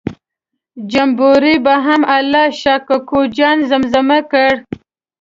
جمبوري به هم الله شا کوکو جان زمزمه کړ.